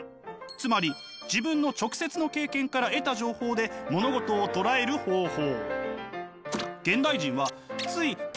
つまり自分の直接の経験から得た情報で物事をとらえる方法。